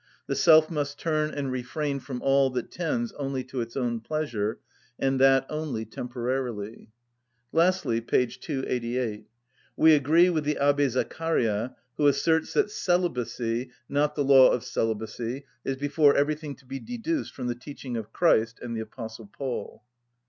The self must turn and refrain from all that tends only to its own pleasure, and that only temporarily." Lastly, p. 288: "We agree with the Abbé Zaccaria, who asserts that celibacy (not the law of celibacy) is before everything to be deduced from the teaching of Christ and the Apostle Paul."